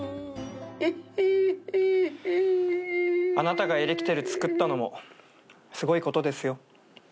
あなたがエレキテルつくったのもすごいことですよ。